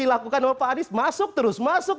dilakukan oleh pak anies masuk terus masuk